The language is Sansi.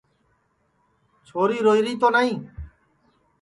چھوری روئیری تو نائی